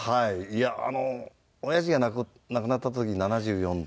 いやあおやじが亡くなった時７４。